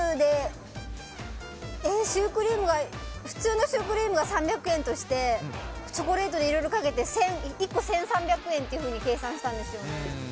普通のシュークリームが３００円としてチョコレートでいろいろかけて１個１３００円っていうふうに計算したんですよね。